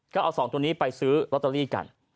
ก็เอา๒ตัวนี้ไปซื้อลอตเตอรี่กัน